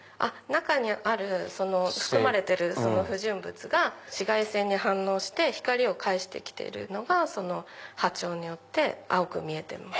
中に含まれている不純物が紫外線に反応して光を返してきてるのが波長によって青く見えてます。